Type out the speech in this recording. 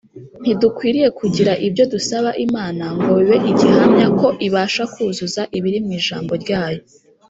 . Ntidukwiriye kugira ibyo dusaba Imana ngo bibe igihamya ko ibasha kuzuza ibiri mw’ijambo ryayo